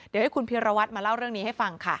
เดี๋ยวให้คุณพิรวัตรมาเล่าเรื่องนี้ให้ฟังค่ะ